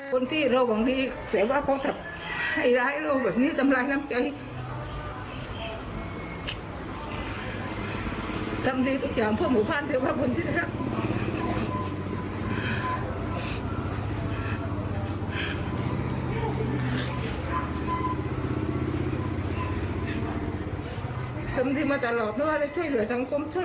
คนที่โรคบางทีเสียว่าเขาแบบไอ้ร้ายโรคแบบนี้จำลายน้ำใจ